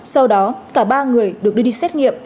sau đó cả ba người được đưa đi xét nghiệm